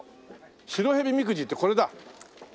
白へびみくじってこれだ。